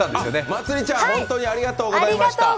まつりちゃん、本当にありがとうございました。